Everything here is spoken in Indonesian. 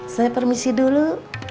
saya permisi dulu